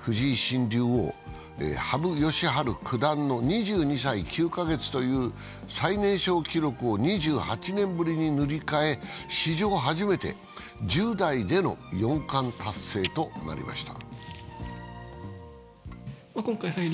藤井新竜王、羽生善治九段の２２歳９カ月という最年少記録を２８年ぶりに塗り替え、史上初めて１０代での四冠達成となりました。